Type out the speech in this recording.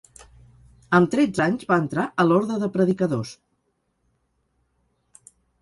Amb tretze anys va entrar a l'Orde de Predicadors.